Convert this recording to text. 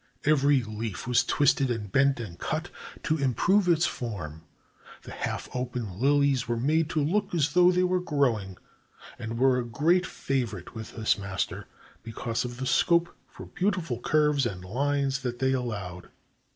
Every leaf was twisted and bent and cut to improve its form. The half open lilies were made to look as though they were grow 419 JAPAN ing, and were a great favorite with this master because of the scope for beautiful curves and lines that they allowed.